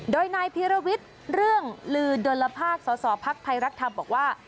โดยนายพิวรวิตเรื่องหรือเดลภาคสอบภักดิ์ไพรรักฐำบอกว่า